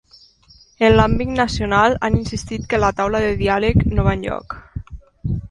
En l’àmbit nacional, han insistit que la taula de diàleg no va enlloc.